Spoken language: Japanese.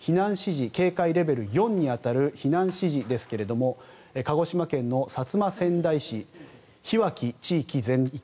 警戒レベル４に当たる避難指示ですが鹿児島県の薩摩川内市樋脇地域全域